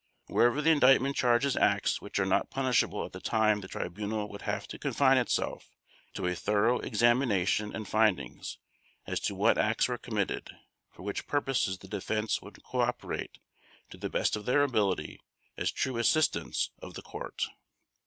Wherever the Indictment charges acts which were not punishable at the time the Tribunal would have to confine itself to a thorough examination and findings as to what acts were committed, for which purposes the Defense would cooperate to the best of their ability as true assistants of the Court.